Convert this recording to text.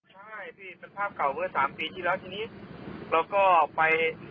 ใช่พี่เป็นภาพเก่าเมื่อสามปีที่แล้วทีนี้เราก็ไป